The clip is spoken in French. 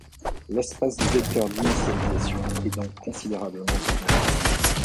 L'espace du vecteur d'initialisation est donc considérablement augmenté.